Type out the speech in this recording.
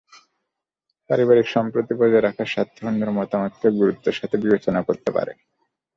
পারিবারিক সম্প্রীতি বজায় রাখার স্বার্থে অন্যের মতামতকে গুরুত্বের সঙ্গে বিবেচনা করতে পারে।